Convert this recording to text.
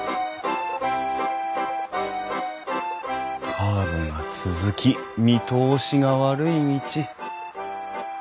カーブが続き見通しが悪い道。